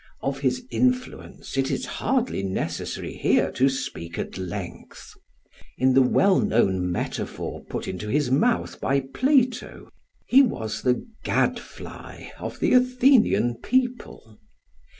Of his influence it is hardly necessary here to speak at length. In the well known metaphor put into his mouth by Plato, he was the "gad fly" of the Athenian people.